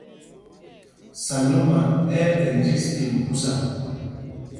Salóma ɛ́ ɛ́ ɓɛ̄ njes pyêmb phúsa.